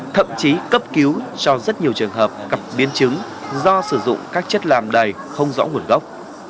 thậm chí cấp cứu cho rất nhiều trường hợp gặp biến chứng do sử dụng các chất làm đầy không rõ nguồn gốc